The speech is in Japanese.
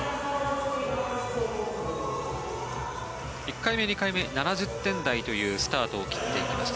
１回目２回目７０点台というスタートを切っていました